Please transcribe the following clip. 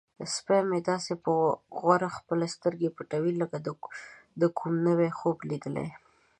سپی مې داسې په غور خپلې سترګې پټوي لکه د کوم نوي خوب لیدل.